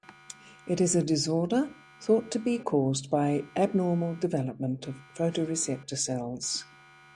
It is a disorder thought to be caused by abnormal development of photoreceptor cells.